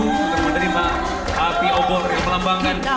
untuk menerima api obor yang melambangkan